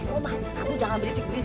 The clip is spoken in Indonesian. omar kamu jangan berisik berisik